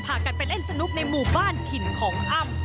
พากันไปเล่นสนุกในหมู่บ้านถิ่นของอ้ำ